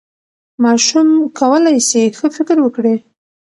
ماشوم کولی سي ښه فکر وکړي.